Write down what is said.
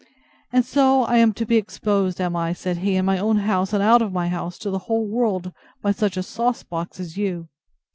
And so I am to be exposed, am I, said he, in my own house, and out of my house, to the whole world, by such a sauce box as you?